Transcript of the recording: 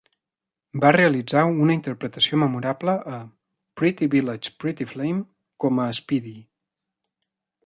Va realitzar una interpretació memorable a "Pretty Village, Pretty Flame", com a Speedy.